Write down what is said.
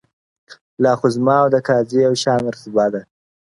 لا خو زما او د قاضي یوشان رتبه ده-